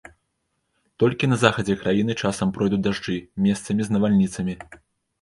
Толькі на захадзе краіны часам пройдуць дажджы, месцамі з навальніцамі.